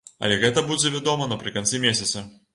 Але гэта будзе вядома напрыканцы месяца.